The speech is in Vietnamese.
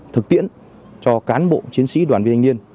thực tiễn cho cán bộ chiến sĩ đoàn viên thanh niên